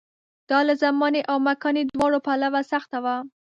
دا له زماني او مکاني دواړو پلوه سخته وه.